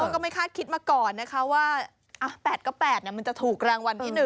ก็ไม่คาดคิดมาก่อนนะคะว่า๘๙๘มันจะถูกรางวัลที่๑